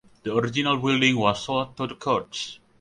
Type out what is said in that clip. The original building was sold to the church.